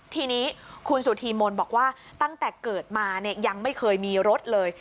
ทีนี้คุณสุธีมนต์บอกว่าตั้งแต่เกิดมาเนี่ยยังไม่เคยมีรถเลย